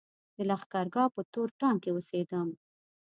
د لښکرګاه په تور ټانګ کې اوسېدم.